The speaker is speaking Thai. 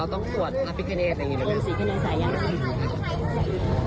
เราต้องตรวจอภิเคนียร์อย่างนี้นะครับนุ้ยผมศิเคนียร์สายอย่างนี้